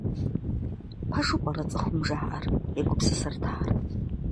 - Пэжу пӀэрэ цӀыхум жаӀэр? - егупсысырт ар.